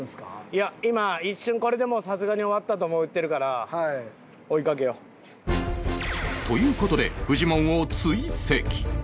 いや今一瞬これでもうさすがに終わったと思ってるからという事でフジモンを追跡